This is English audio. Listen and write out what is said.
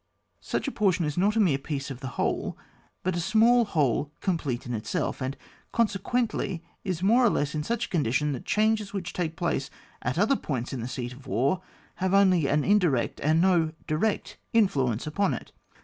— Such a portion is not a mere piece of the whole, but a small whole complete in itself; and consequently it is more or less in such a condition that changes which take place at other points in the seat of war have only an indirect and no direct influence upon it.